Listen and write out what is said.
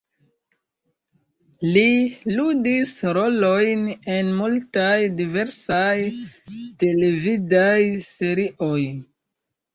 Li ludis rolojn en multaj diversaj televidaj serioj.